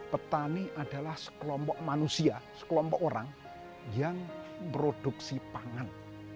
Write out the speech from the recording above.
petani adalah sekelompok manusia sekelompok orang yang produksi pangan